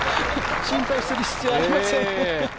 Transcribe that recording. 心配する必要、ありません。